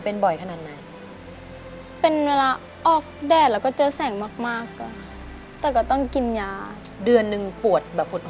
ก็คือจะร้อนไม่ได้เจอแสงมากไม่ได้เครียดไม่ได้